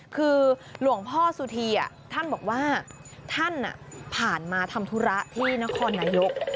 คือหลวงพ่อสุธีท่านบอกว่าท่านผ่านมาทำธุระที่นครนายก